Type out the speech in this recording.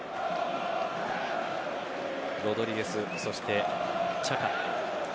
ロドリゲス、そしてチャカ。